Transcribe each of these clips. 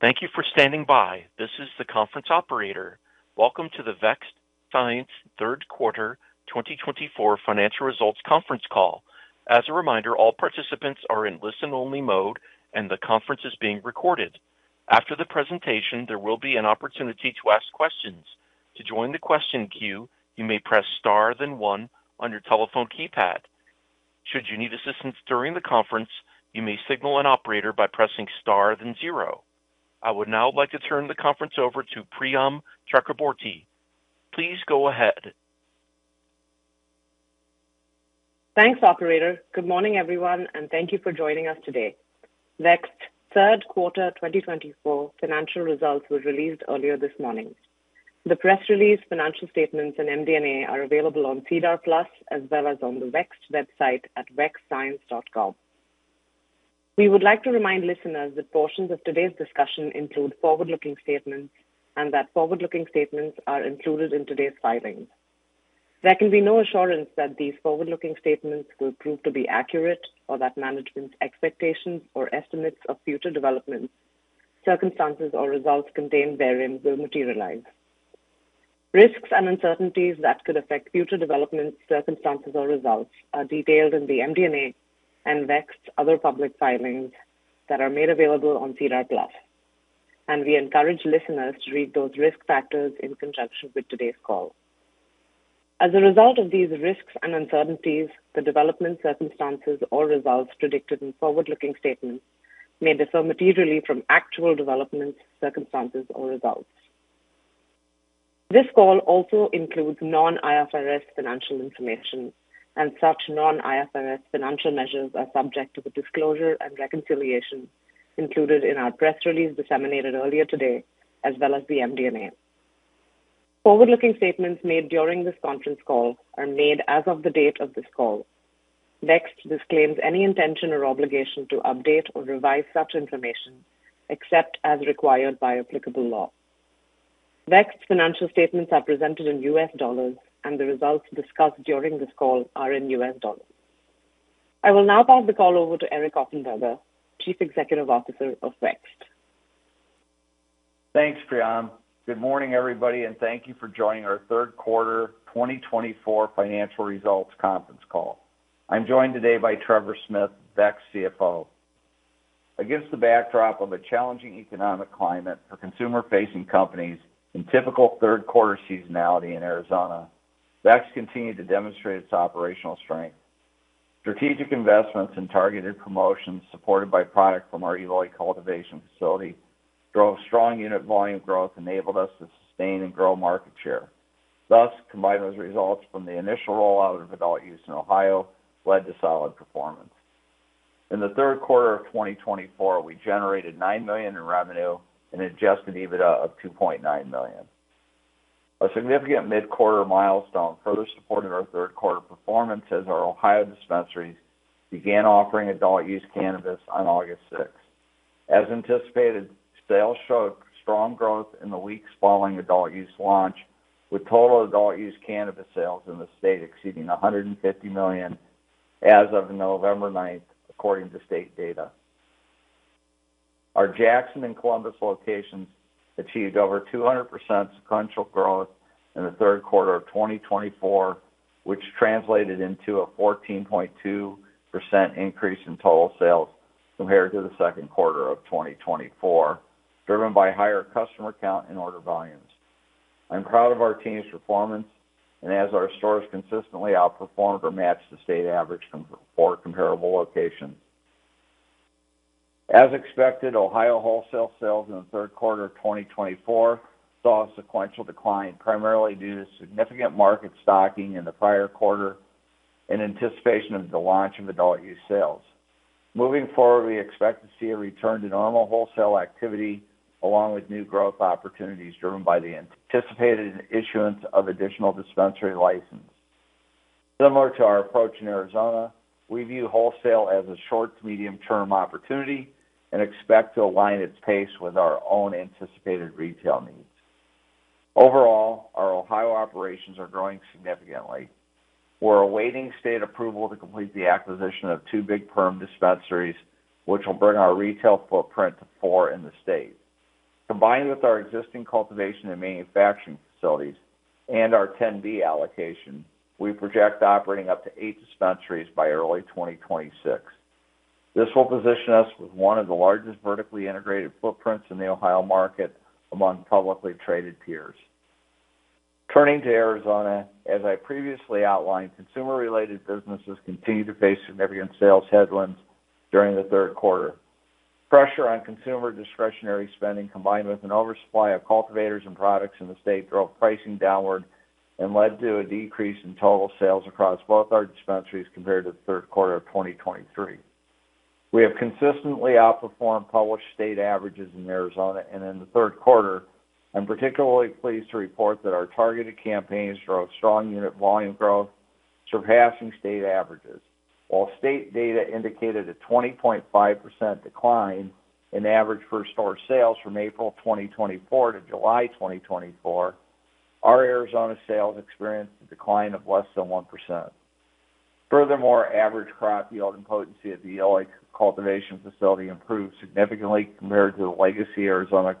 Thank you for standing by. This is the conference operator. Welcome to the Vext Science Third Quarter 2024 Financial Results Conference Call. As a reminder, all participants are in listen-only mode, and the conference is being recorded. After the presentation, there will be an opportunity to ask questions. To join the question queue, you may press star then one on your telephone keypad. Should you need assistance during the conference, you may signal an operator by pressing star then zero. I would now like to turn the conference over to Priyam Chakraborty. Please go ahead. Thanks, Operator. Good morning, everyone, and thank you for joining us today. Vext Third Quarter 2024 Financial Results was released earlier this morning. The press release, financial statements, and MD&A are available on SEDAR+ as well as on the Vext website at vext-science.com. We would like to remind listeners that portions of today's discussion include forward-looking statements and that forward-looking statements are included in today's filings. There can be no assurance that these forward-looking statements will prove to be accurate or that management's expectations or estimates of future developments, circumstances, or results contained therein will materialize. Risks and uncertainties that could affect future developments, circumstances, or results are detailed in the MD&A and Vext's other public filings that are made available on SEDAR+, and we encourage listeners to read those risk factors in conjunction with today's call. As a result of these risks and uncertainties, the developments, circumstances, or results predicted in forward-looking statements may differ materially from actual developments, circumstances, or results. This call also includes non-IFRS financial information, and such non-IFRS financial measures are subject to the disclosure and reconciliation included in our press release disseminated earlier today as well as the MD&A. Forward-looking statements made during this conference call are made as of the date of this call. Vext disclaims any intention or obligation to update or revise such information except as required by applicable law. Vext's financial statements are presented in U.S. dollars, and the results discussed during this call are in U.S. dollars. I will now pass the call over to Eric Offenberger, Chief Executive Officer of Vext. Thanks, Priyam. Good morning, everybody, and thank you for joining our Third Quarter 2024 Financial Results Conference Call. I'm joined today by Trevor Smith, Vext CFO. Against the backdrop of a challenging economic climate for consumer-facing companies and typical third-quarter seasonality in Arizona, Vext continued to demonstrate its operational strength. Strategic investments and targeted promotions supported by product from our Eloy cultivation facility drove strong unit volume growth and enabled us to sustain and grow market share. Thus, combined with results from the initial rollout of adult use in Ohio, it led to solid performance. In the third quarter of 2024, we generated $9 million in revenue and Adjusted EBITDA of $2.9 million. A significant mid-quarter milestone further supported our third-quarter performance as our Ohio dispensaries began offering adult-use cannabis on August 6. As anticipated, sales showed strong growth in the weeks following adult-use launch, with total adult-use cannabis sales in the state exceeding $150 million as of November 9, according to state data. Our Jackson and Columbus locations achieved over 200% sequential growth in the third quarter of 2024, which translated into a 14.2% increase in total sales compared to the second quarter of 2024, driven by higher customer count and order volumes. I'm proud of our team's performance, and as our stores consistently outperformed or matched the state average for comparable locations. As expected, Ohio wholesale sales in the third quarter of 2024 saw a sequential decline, primarily due to significant market stocking in the prior quarter in anticipation of the launch of adult-use sales. Moving forward, we expect to see a return to normal wholesale activity along with new growth opportunities driven by the anticipated issuance of additional dispensary licenses. Similar to our approach in Arizona, we view wholesale as a short to medium-term opportunity and expect to align its pace with our own anticipated retail needs. Overall, our Ohio operations are growing significantly. We're awaiting state approval to complete the acquisition of two Big Perm dispensaries, which will bring our retail footprint to four in the state. Combined with our existing cultivation and manufacturing facilities and our 10(B) allocation, we project operating up to eight dispensaries by early 2026. This will position us with one of the largest vertically integrated footprints in the Ohio market among publicly traded peers. Turning to Arizona, as I previously outlined, consumer-related businesses continue to face significant sales headwinds during the third quarter. Pressure on consumer discretionary spending, combined with an oversupply of cultivators and products in the state, drove pricing downward and led to a decrease in total sales across both our dispensaries compared to the third quarter of 2023. We have consistently outperformed published state averages in Arizona and in the third quarter, and I'm particularly pleased to report that our targeted campaigns drove strong unit volume growth, surpassing state averages. While state data indicated a 20.5% decline in average per-store sales from April 2024 to July 2024, our Arizona sales experienced a decline of less than 1%. Furthermore, average crop yield and potency at the Eloy cultivation facility improved significantly compared to the legacy Arizona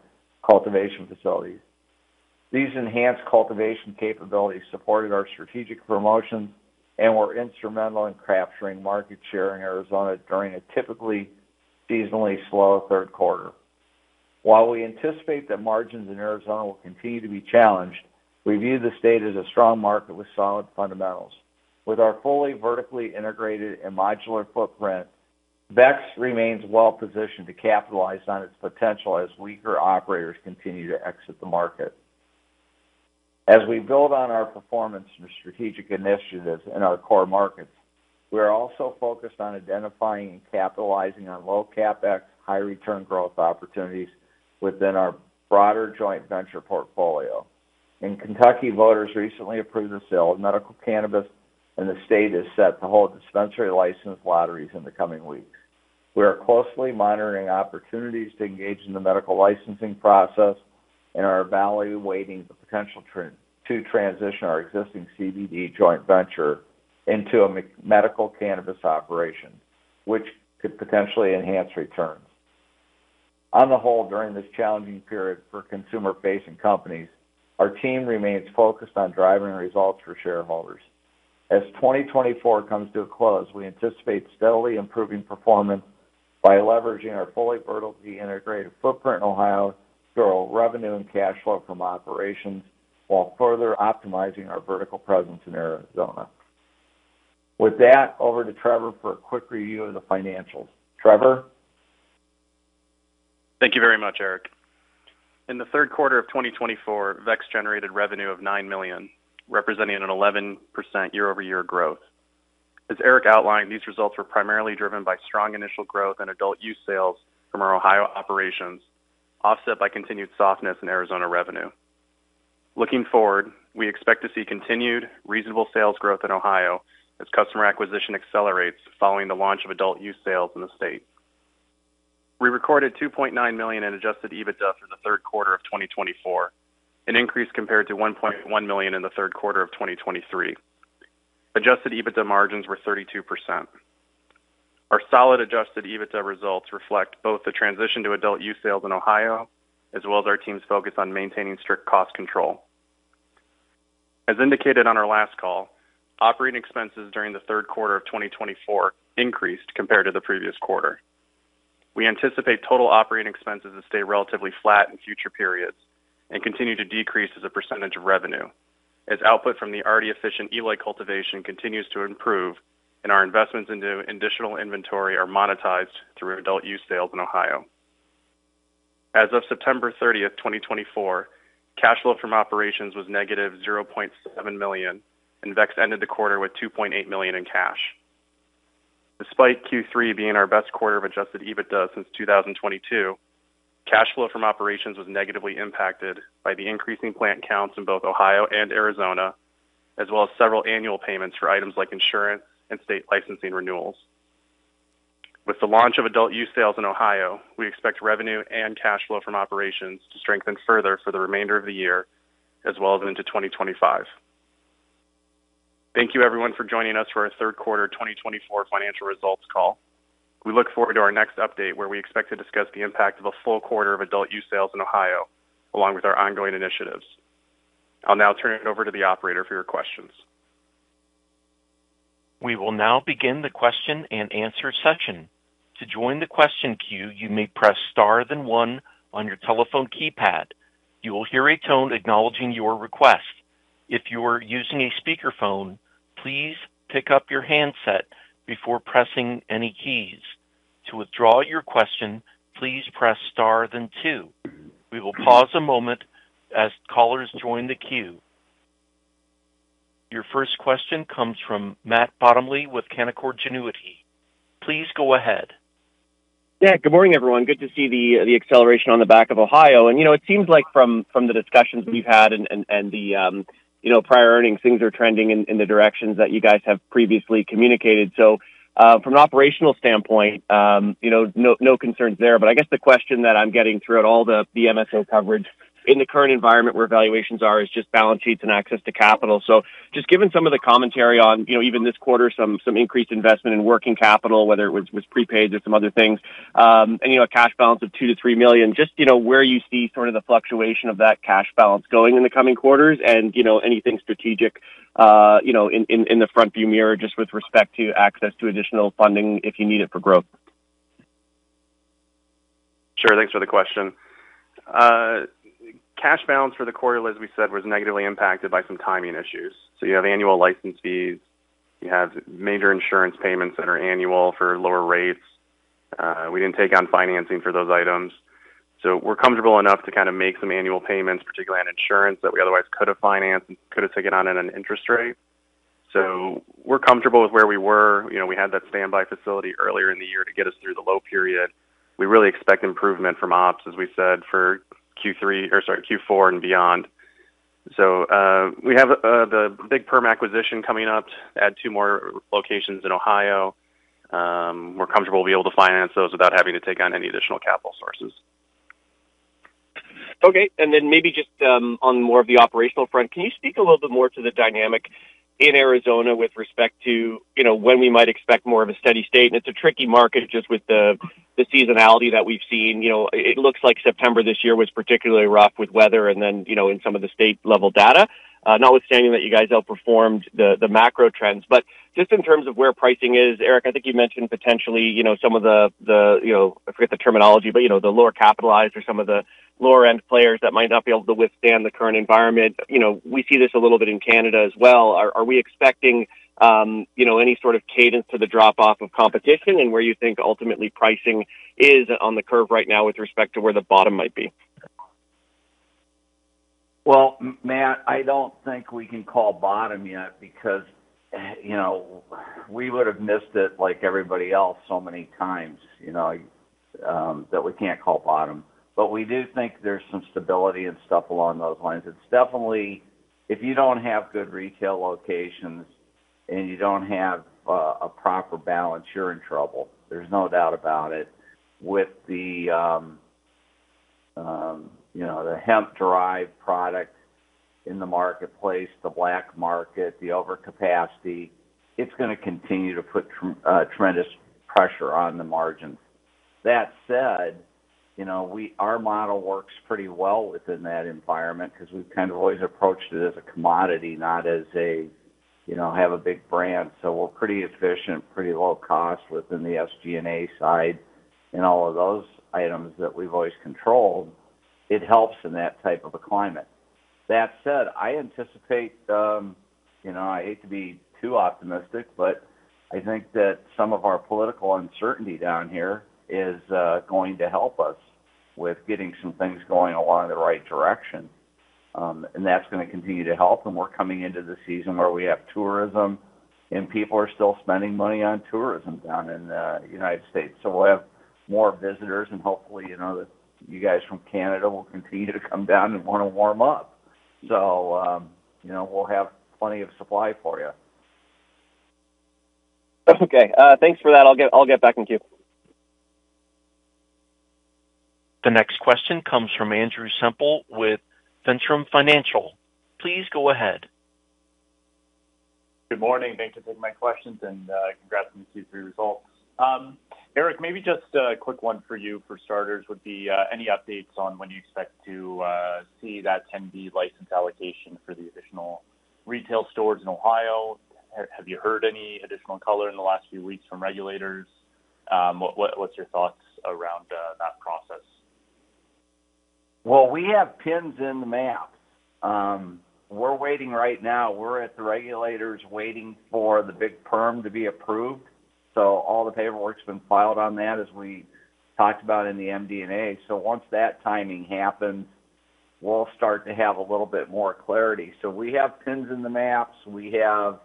cultivation facilities. These enhanced cultivation capabilities supported our strategic promotions and were instrumental in capturing market share in Arizona during a typically seasonally slow third quarter. While we anticipate that margins in Arizona will continue to be challenged, we view the state as a strong market with solid fundamentals. With our fully vertically integrated and modular footprint, Vext remains well-positioned to capitalize on its potential as weaker operators continue to exit the market. As we build on our performance and strategic initiatives in our core markets, we are also focused on identifying and capitalizing on low CapEx, high return growth opportunities within our broader joint venture portfolio. In Kentucky, voters recently approved the sale of medical cannabis, and the state is set to hold dispensary license lotteries in the coming weeks. We are closely monitoring opportunities to engage in the medical licensing process and are evaluating the potential to transition our existing CBD joint venture into a medical cannabis operation, which could potentially enhance returns. On the whole, during this challenging period for consumer-facing companies, our team remains focused on driving results for shareholders. As 2024 comes to a close, we anticipate steadily improving performance by leveraging our fully vertically integrated footprint in Ohio to grow revenue and cash flow from operations while further optimizing our vertical presence in Arizona. With that, over to Trevor for a quick review of the financials. Trevor? Thank you very much, Eric. In the third quarter of 2024, Vext generated revenue of $9 million, representing an 11% year-over-year growth. As Eric outlined, these results were primarily driven by strong initial growth in adult-use sales from our Ohio operations, offset by continued softness in Arizona revenue. Looking forward, we expect to see continued reasonable sales growth in Ohio as customer acquisition accelerates following the launch of adult-use sales in the state. We recorded $2.9 million in adjusted EBITDA through the third quarter of 2024, an increase compared to $1.1 million in the third quarter of 2023. Adjusted EBITDA margins were 32%. Our solid Adjusted EBITDA results reflect both the transition to adult-use sales in Ohio as well as our team's focus on maintaining strict cost control. As indicated on our last call, operating expenses during the third quarter of 2024 increased compared to the previous quarter. We anticipate total operating expenses to stay relatively flat in future periods and continue to decrease as a percentage of revenue as output from the already efficient Eloy cultivation continues to improve and our investments into additional inventory are monetized through adult-use sales in Ohio. As of September 30th, 2024, cash flow from operations was negative $0.7 million, and Vext ended the quarter with $2.8 million in cash. Despite Q3 being our best quarter of Adjusted EBITDA since 2022, cash flow from operations was negatively impacted by the increasing plant counts in both Ohio and Arizona, as well as several annual payments for items like insurance and state licensing renewals. With the launch of adult-use sales in Ohio, we expect revenue and cash flow from operations to strengthen further for the remainder of the year as well as into 2025. Thank you, everyone, for joining us for our Third Quarter 2024 Financial Results Call. We look forward to our next update, where we expect to discuss the impact of a full quarter of adult-use sales in Ohio along with our ongoing initiatives. I'll now turn it over to the operator for your questions. We will now begin the question and answer session. To join the question queue, you may press star then one on your telephone keypad. You will hear a tone acknowledging your request. If you are using a speakerphone, please pick up your handset before pressing any keys. To withdraw your question, please press star then two. We will pause a moment as callers join the queue. Your first question comes from Matt Bottomley with Canaccord Genuity. Please go ahead. Yeah, good morning, everyone. Good to see the acceleration on the back of Ohio. And it seems like from the discussions we've had and the prior earnings, things are trending in the directions that you guys have previously communicated. So from an operational standpoint, no concerns there. But I guess the question that I'm getting throughout all the MSO coverage in the current environment where valuations are is just balance sheets and access to capital. So just given some of the commentary on even this quarter, some increased investment in working capital, whether it was prepaid or some other things, and a cash balance of $2-$3 million, just where you see sort of the fluctuation of that cash balance going in the coming quarters and anything strategic in the front-view mirror just with respect to access to additional funding if you need it for growth. Sure, thanks for the question. Cash balance for the quarter, as we said, was negatively impacted by some timing issues. So you have annual license fees. You have major insurance payments that are annual for lower rates. We didn't take on financing for those items. So we're comfortable enough to kind of make some annual payments, particularly on insurance, that we otherwise could have financed and could have taken on at an interest rate. So we're comfortable with where we were. We had that standby facility earlier in the year to get us through the low period. We really expect improvement from ops, as we said, for Q4 and beyond. So we have the Big Perm acquisition coming up, add two more locations in Ohio. We're comfortable being able to finance those without having to take on any additional capital sources. Okay. And then maybe just on more of the operational front, can you speak a little bit more to the dynamic in Arizona with respect to when we might expect more of a steady state? And it's a tricky market just with the seasonality that we've seen. It looks like September this year was particularly rough with weather and then in some of the state-level data, notwithstanding that you guys outperformed the macro trends. But just in terms of where pricing is, Eric, I think you mentioned potentially some of the—I forget the terminology—but the lower capitalized or some of the lower-end players that might not be able to withstand the current environment. We see this a little bit in Canada as well. Are we expecting any sort of cadence to the drop-off of competition and where you think ultimately pricing is on the curve right now with respect to where the bottom might be? Well, Matt, I don't think we can call bottom yet because we would have missed it like everybody else so many times that we can't call bottom. But we do think there's some stability and stuff along those lines. It's definitely, if you don't have good retail locations and you don't have a proper balance, you're in trouble. There's no doubt about it. With the hemp-derived product in the marketplace, the black market, the overcapacity, it's going to continue to put tremendous pressure on the margins. That said, our model works pretty well within that environment because we've kind of always approached it as a commodity, not as having a big brand. So we're pretty efficient, pretty low cost within the SG&A side and all of those items that we've always controlled. It helps in that type of a climate. That said, I anticipate. I hate to be too optimistic, but I think that some of our political uncertainty down here is going to help us with getting some things going along the right direction. And that's going to continue to help. And we're coming into the season where we have tourism, and people are still spending money on tourism down in the United States. So we'll have more visitors, and hopefully, you guys from Canada will continue to come down and want to warm up. So we'll have plenty of supply for you. Okay. Thanks for that. I'll get back in queue. The next question comes from Andrew Semple with Ventum Financial. Please go ahead. Good morning. Thanks for taking my questions and congrats on the Q3 results. Eric, maybe just a quick one for you for starters would be any updates on when you expect to see that 10(B) license allocation for the additional retail stores in Ohio? Have you heard any additional color in the last few weeks from regulators? What's your thoughts around that process? We have pins in the map. We're waiting right now. We're at the regulators waiting for the Big Perm to be approved, so all the paperwork's been filed on that, as we talked about in the MD&A, so once that timing happens, we'll start to have a little bit more clarity. We have pins in the maps. We have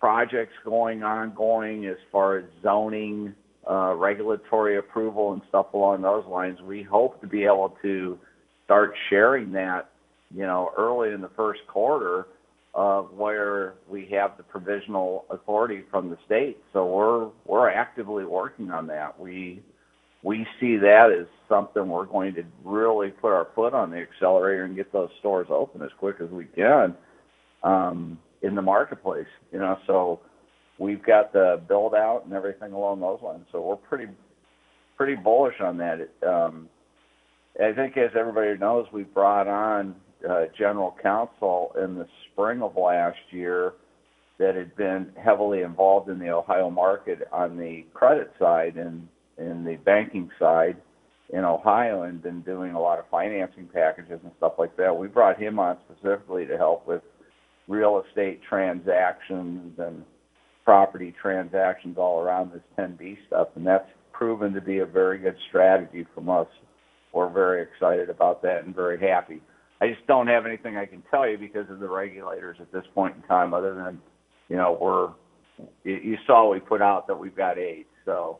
projects going ongoing as far as zoning, regulatory approval, and stuff along those lines. We hope to be able to start sharing that early in the first quarter of where we have the provisional authority from the state, so we're actively working on that. We see that as something we're going to really put our foot on the accelerator and get those stores open as quick as we can in the marketplace, so we've got the build-out and everything along those lines, so we're pretty bullish on that. I think, as everybody knows, we brought on general counsel in the spring of last year that had been heavily involved in the Ohio market on the credit side and the banking side in Ohio and been doing a lot of financing packages and stuff like that. We brought him on specifically to help with real estate transactions and property transactions all around this 10(B) stuff. And that's proven to be a very good strategy from us. We're very excited about that and very happy. I just don't have anything I can tell you because of the regulators at this point in time other than you saw we put out that we've got eight. So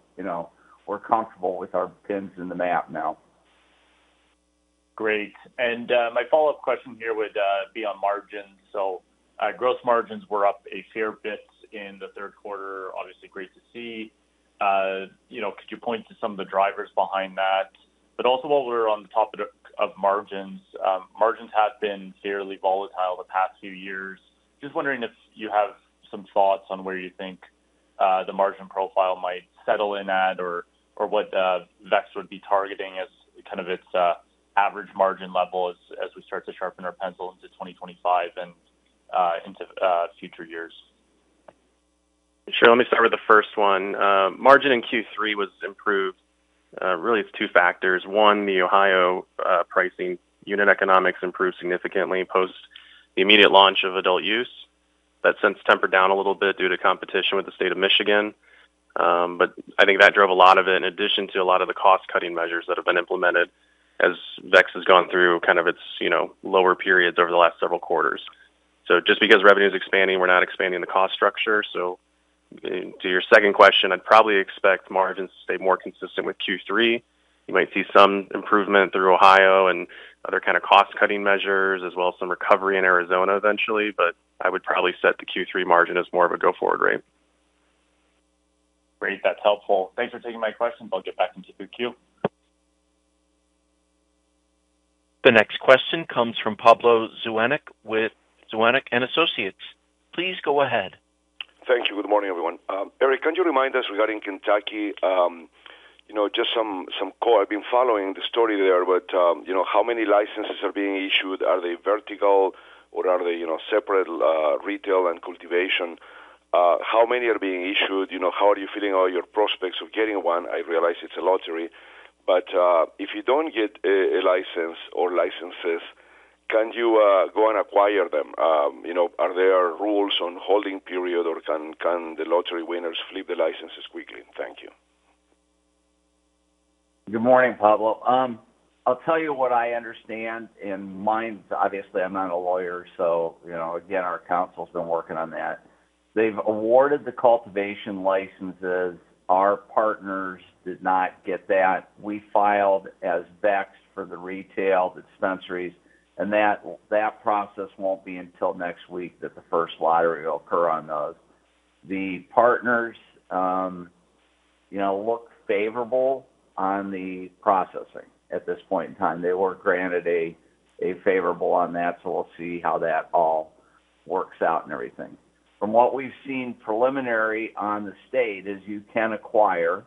we're comfortable with our pins on the map now. Great. And my follow-up question here would be on margins. So gross margins were up a fair bit in the third quarter. Obviously, great to see. Could you point to some of the drivers behind that? But also, while we're on the topic of margins, margins have been fairly volatile the past few years. Just wondering if you have some thoughts on where you think the margin profile might settle in at or what Vext would be targeting as kind of its average margin level as we start to sharpen our pencil into 2025 and into future years. Sure. Let me start with the first one. Margin in Q3 was improved. Really, it's two factors. One, the Ohio pricing unit economics improved significantly post the immediate launch of adult use. That's since tempered down a little bit due to competition with the state of Michigan. But I think that drove a lot of it in addition to a lot of the cost-cutting measures that have been implemented as Vext has gone through kind of its lower periods over the last several quarters. So just because revenue is expanding, we're not expanding the cost structure. So to your second question, I'd probably expect margins to stay more consistent with Q3. You might see some improvement through Ohio and other kind of cost-cutting measures as well as some recovery in Arizona eventually. But I would probably set the Q3 margin as more of a go-forward rate. Great. That's helpful. Thanks for taking my questions. I'll get back into the queue. The next question comes from Pablo Zuanic with Zuanic & Associates. Please go ahead. Thank you. Good morning, everyone. Eric, can you remind us regarding Kentucky just some call? I've been following the story there, but how many licenses are being issued? Are they vertical, or are they separate retail and cultivation? How many are being issued? How are you feeling about your prospects of getting one? I realize it's a lottery. But if you don't get a license or licenses, can you go and acquire them? Are there rules on holding period, or can the lottery winners flip the licenses quickly? Thank you. Good morning, Pablo. I'll tell you what I understand in mind. Obviously, I'm not a lawyer. So again, our counsel's been working on that. They've awarded the cultivation licenses. Our partners did not get that. We filed as Vext for the retail, the dispensaries, and that process won't be until next week that the first lottery will occur on those. The partners look favorable on the processing at this point in time. They were granted a favorable on that, so we'll see how that all works out and everything. From what we've seen preliminary on the state is you can acquire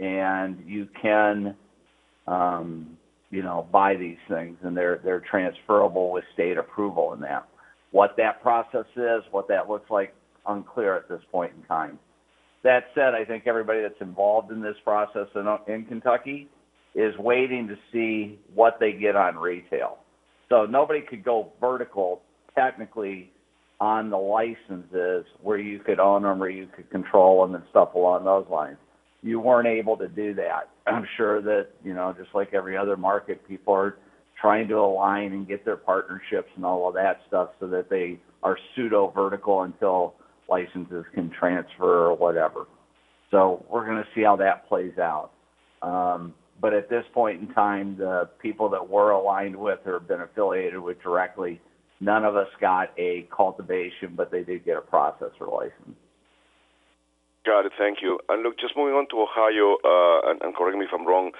and you can buy these things, and they're transferable with state approval in that. What that process is, what that looks like, unclear at this point in time. That said, I think everybody that's involved in this process in Kentucky is waiting to see what they get on retail. So nobody could go vertical technically on the licenses where you could own them, where you could control them, and stuff along those lines. You weren't able to do that. I'm sure that just like every other market, people are trying to align and get their partnerships and all of that stuff so that they are pseudo vertical until licenses can transfer or whatever. So we're going to see how that plays out. But at this point in time, the people that we're aligned with or have been affiliated with directly, none of us got a cultivation, but they did get a processor license. Got it. Thank you. And look, just moving on to Ohio, and correct me if I'm wrong,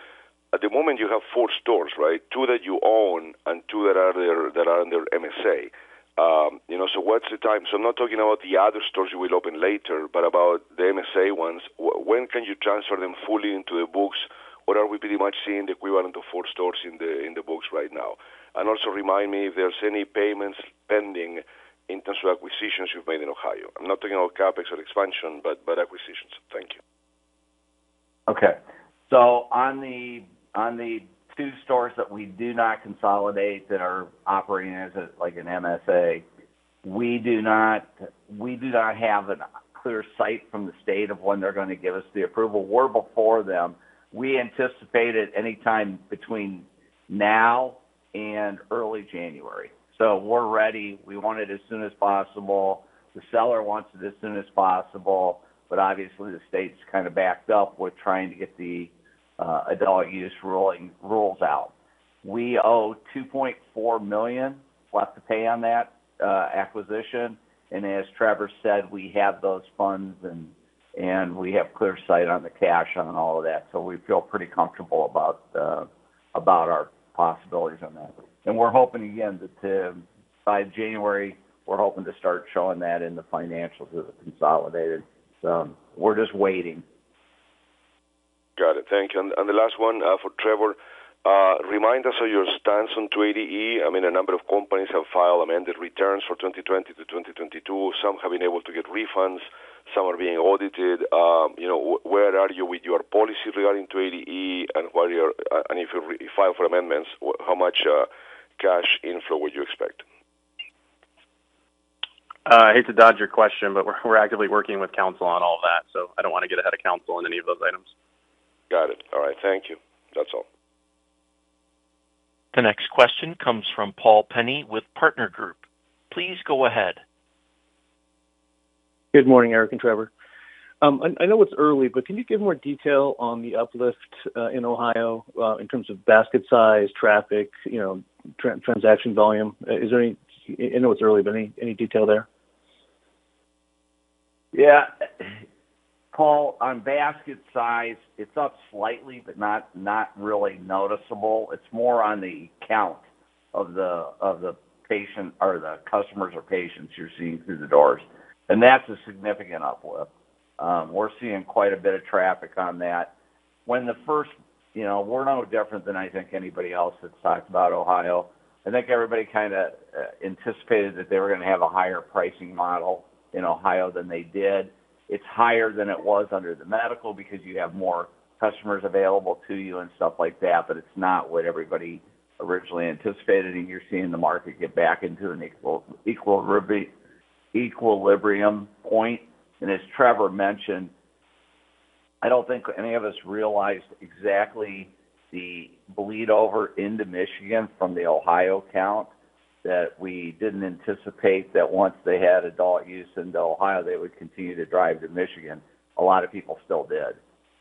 at the moment you have four stores, right? Two that you own and two that are under MSA. So what's the timeline? So I'm not talking about the other stores you will open later, but about the MSA ones. When can you transfer them fully into the books? What are we pretty much seeing? The equivalent of four stores in the books right now. And also remind me if there's any payments pending in terms of acquisitions you've made in Ohio. I'm not talking about CapEx or expansion, but acquisitions. Thank you. Okay. So on the two stores that we do not consolidate that are operating as an MSA, we do not have a clear sight from the state of when they're going to give us the approval. We're before them. We anticipate it anytime between now and early January. So we're ready. We want it as soon as possible. The seller wants it as soon as possible. But obviously, the state's kind of backed up with trying to get the adult use rules out. We owe $2.4 million left to pay on that acquisition. And as Trevor said, we have those funds, and we have clear sight on the cash on all of that. So we feel pretty comfortable about our possibilities on that. And we're hoping, again, that by January, we're hoping to start showing that in the financials of the consolidated. So we're just waiting. Got it. Thank you. And the last one for Trevor. Remind us of your stance on 280E. I mean, a number of companies have filed amended returns for 2020-2022. Some have been able to get refunds. Some are being audited. Where are you with your policy regarding 280E? And if you file for amendments, how much cash inflow would you expect? I hate to dodge your question, but we're actively working with counsel on all of that. So I don't want to get ahead of counsel on any of those items. Got it. All right. Thank you. That's all. The next question comes from Paul Penney with Seaport Global Securities. Please go ahead. Good morning, Eric and Trevor. I know it's early, but can you give more detail on the uplift in Ohio in terms of basket size, traffic, transaction volume? I know it's early, but any detail there? Yeah. Paul, on basket size, it's up slightly, but not really noticeable. It's more on the count of the customers or patients you're seeing through the doors. And that's a significant uplift. We're seeing quite a bit of traffic on that. We're no different than I think anybody else that's talked about Ohio. I think everybody kind of anticipated that they were going to have a higher pricing model in Ohio than they did. It's higher than it was under the medical because you have more customers available to you and stuff like that. But it's not what everybody originally anticipated. And you're seeing the market get back into an equilibrium point. And as Trevor mentioned, I don't think any of us realized exactly the bleedover into Michigan from the Ohio count that we didn't anticipate, that once they had adult use into Ohio, they would continue to drive to Michigan. A lot of people still did.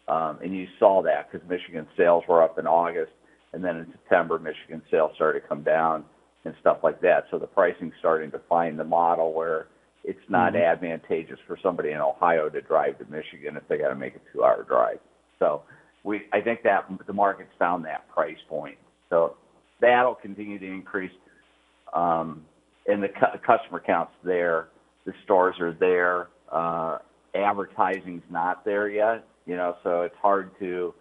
And you saw that because Michigan sales were up in August. And then in September, Michigan sales started to come down and stuff like that. So the pricing's starting to find the model where it's not advantageous for somebody in Ohio to drive to Michigan if they got to make a two-hour drive. So I think the market's found that price point. So that'll continue to increase. And the customer count's there. The stores are there. Advertising's not there yet. So it's hard to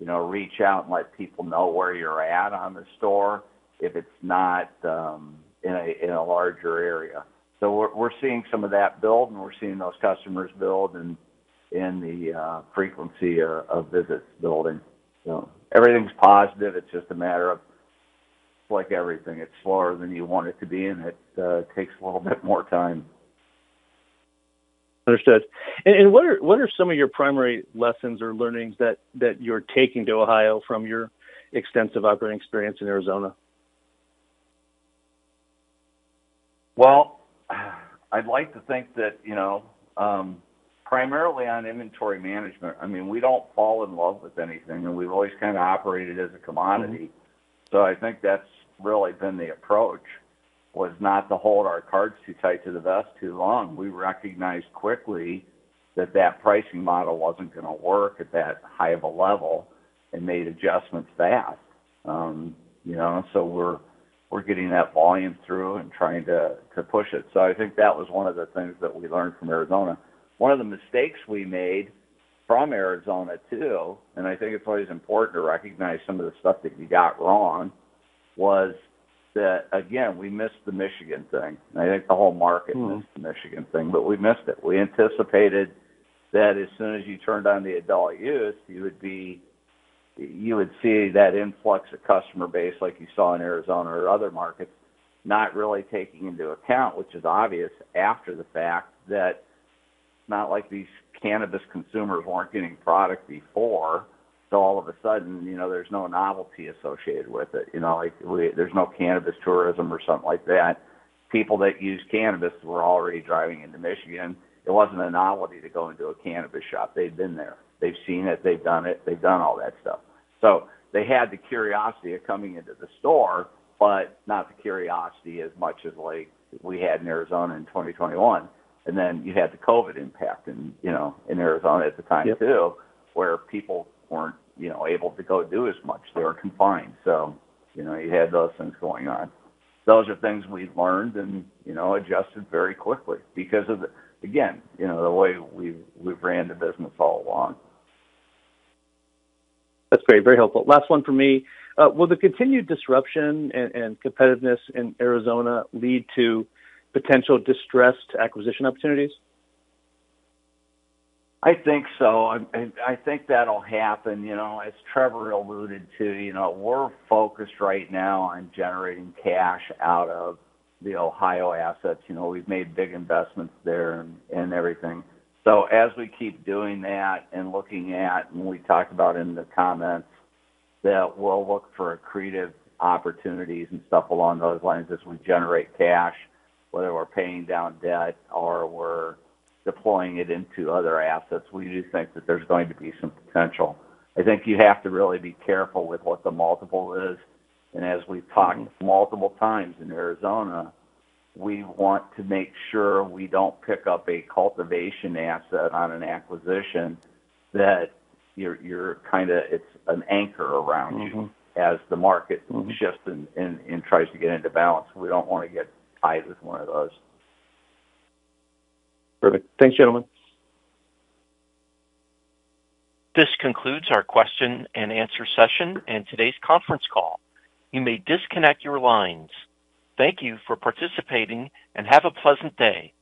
reach out and let people know where you're at on the store if it's not in a larger area. So we're seeing some of that build, and we're seeing those customers build and the frequency of visits building. So everything's positive. It's just a matter of - like everything, it's slower than you want it to be, and it takes a little bit more time. Understood. And what are some of your primary lessons or learnings that you're taking to Ohio from your extensive operating experience in Arizona? I'd like to think that primarily on inventory management. I mean, we don't fall in love with anything, and we've always kind of operated as a commodity. I think that's really been the approach, was not to hold our cards too tight to the vest too long. We recognized quickly that that pricing model wasn't going to work at that high of a level and made adjustments fast. We're getting that volume through and trying to push it. I think that was one of the things that we learned from Arizona. One of the mistakes we made from Arizona too, and I think it's always important to recognize some of the stuff that you got wrong, was that, again, we missed the Michigan thing. I think the whole market missed the Michigan thing, but we missed it. We anticipated that as soon as you turned on the adult use, you would see that influx of customer base like you saw in Arizona or other markets, not really taking into account, which is obvious after the fact, that it's not like these cannabis consumers weren't getting product before. All of a sudden, there's no novelty associated with it. There's no cannabis tourism or something like that. People that use cannabis were already driving into Michigan. It wasn't a novelty to go into a cannabis shop. They'd been there. They've seen it. They've done it. They've done all that stuff. So they had the curiosity of coming into the store, but not the curiosity as much as we had in Arizona in 2021, and then you had the COVID impact in Arizona at the time too, where people weren't able to go do as much. They were confined. So you had those things going on. Those are things we've learned and adjusted very quickly because of, again, the way we've ran the business all along. That's great. Very helpful. Last one for me. Will the continued disruption and competitiveness in Arizona lead to potential distressed acquisition opportunities? I think so. I think that'll happen. As Trevor alluded to, we're focused right now on generating cash out of the Ohio assets. We've made big investments there and everything. So as we keep doing that and looking at, and we talked about in the comments, that we'll look for accretive opportunities and stuff along those lines as we generate cash, whether we're paying down debt or we're deploying it into other assets. We do think that there's going to be some potential. I think you have to really be careful with what the multiple is. And as we've talked multiple times in Arizona, we want to make sure we don't pick up a cultivation asset on an acquisition that you're kind of, it's an anchor around you as the market shifts and tries to get into balance. We don't want to get tied with one of those. Perfect. Thanks, gentlemen. This concludes our question and answer session and today's conference call. You may disconnect your lines. Thank you for participating and have a pleasant day.